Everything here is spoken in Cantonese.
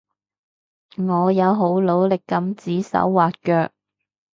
我有好努力噉指手劃腳